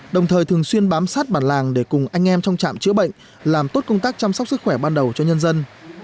đồng thời thường xuyên bám sát bản làng để cùng anh em trong trạm chữa bệnh làm tốt công tác chăm sóc sức khỏe ban đầu cho nhân dân